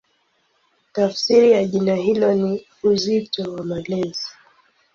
Tafsiri ya jina hilo ni "Uzito wa Malezi".